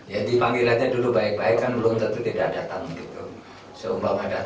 jadi panggilannya dulu baik baik kan belum tentu tidak datang